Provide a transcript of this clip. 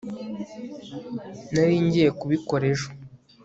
nari ngiye kubikora ejo